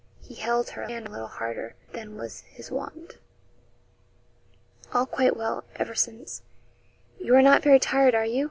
He held her hand a little harder than was his wont. 'All quite well, ever since. You are not very tired, are you?